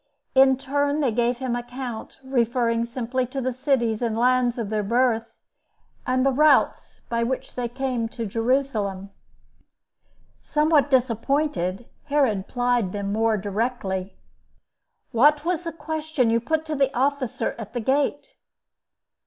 In turn they gave him account, referring simply to the cities and lands of their birth, and the routes by which they came to Jerusalem. Somewhat disappointed, Herod plied them more directly. "What was the question you put to the officer at the gate?"